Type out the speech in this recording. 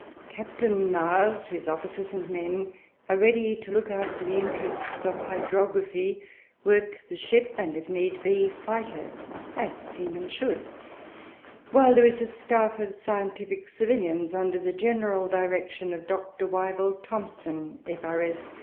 Captain Nares, his officers and men, are ready to look after the interests of hydrography, work the ship, and, if need be, fight her as seamen should; while there is a staff of scientific civilians, under the general direction of Dr. Wyville Thomson, F.R.S.